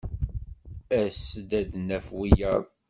As-d ad d-naf wiyaḍ.